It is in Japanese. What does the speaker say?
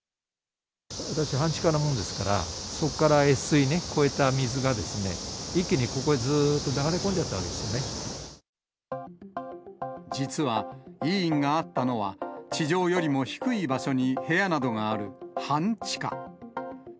半地下なもんですから、そこから越水ね、越えた水がですね、一気にここにずっと流れ込ん実は、医院があったのは、地上よりも低い場所に部屋などがある半地下。